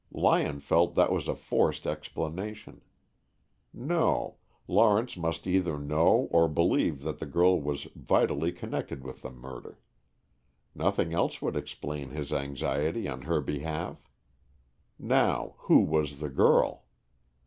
Lyon felt that was a forced explanation. No, Lawrence must either know or believe that the girl was vitally connected with the murder. Nothing else would explain his anxiety on her behalf. Now, who was the girl?